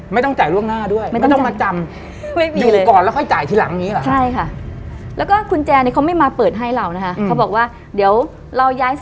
ไม่ต้องจ่ายร่วงหน้าด้วย